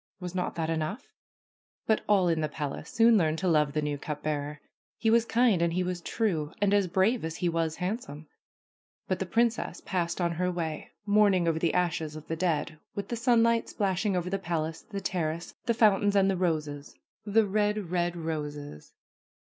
Was not that enough ? But all in the palace soon learned to love the new cup bearer. He was kind and he was true and as brave as he was handsome. But the princess passed on her way, mourning over the ashes of the dead, with the sunlight splashing over the palace, the terrace, the foun tains and the roses, the red, red roses.